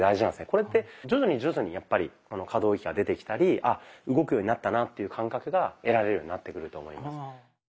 これって徐々に徐々に可動域が出てきたり「あ動くようになったな」っていう感覚が得られるようになってくると思います。